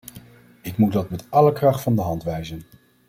Ik moet dat met alle kracht van de hand wijzen.